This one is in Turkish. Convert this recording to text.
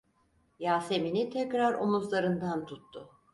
Yasemin'i tekrar omuzlarından tuttu.